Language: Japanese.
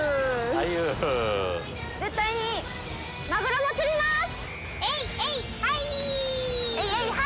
絶対にマグロも釣ります！